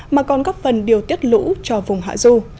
mà còn góp phần điều tiết lũ cho vùng hạ du